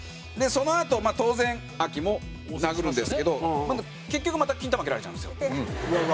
そのあと当然アキも殴るんですけど結局またキンタマ蹴られちゃうんですよ。